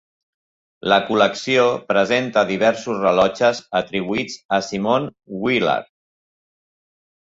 La col·lecció presenta diversos rellotges atribuïts a Simon Willard.